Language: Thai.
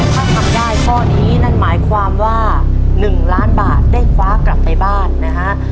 ถ้าทำได้ข้อนี้นั่นหมายความว่า๑ล้านบาทได้คว้ากลับไปบ้านนะฮะ